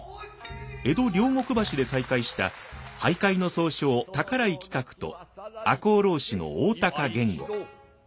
江戸・両国橋で再会した俳諧の宗匠宝井其角と赤穂浪士の大高源吾。